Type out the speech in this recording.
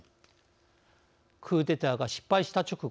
クーデターが失敗した直後